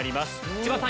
千葉さん